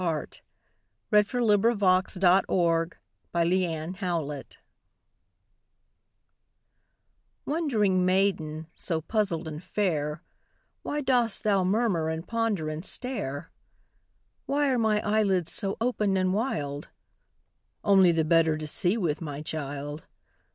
WHAT THE WOLF REALLY SAID TO LITTLE RED RIDING HOOD Wondering maiden, so puzzled and fair, Why dost thou murmur and ponder and stare? "Why are my eyelids so open and wild?" Only the better to see with, my child!